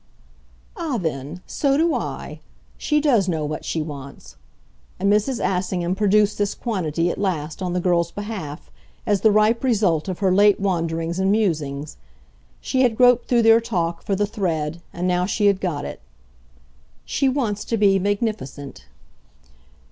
"Ah then, so do I. She does know what she wants." And Mrs. Assingham produced this quantity, at last, on the girl's behalf, as the ripe result of her late wanderings and musings. She had groped through their talk, for the thread, and now she had got it. "She wants to be magnificent."